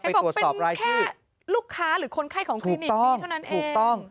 เป็นแค่ลูกค้าหรือคนไข้ของคลินิกนี้เท่านั้นเอง